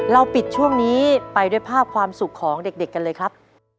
ปิดช่วงนี้ไปด้วยภาพความสุขของเด็กกันเลยครับ